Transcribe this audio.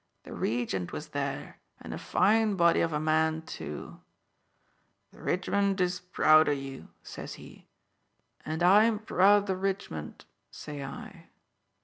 The Regent was there, and a fine body of a man too! 'The ridgment is proud of you,' says he. 'And I'm proud of the ridgment,' say I.